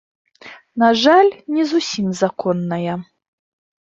На жаль, не зусім законная.